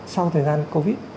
sau thời gian covid